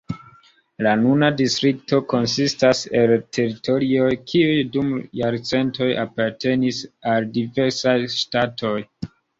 La nuna distrikto konsistas el teritorioj, kiuj dum jarcentoj apartenis al diversaj ŝtatoj.